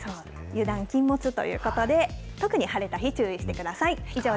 油断禁物ということで、特に晴れた日、注意してください。